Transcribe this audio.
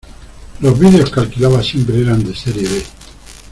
Los vídeos que alquilaba siempre eran de serie B.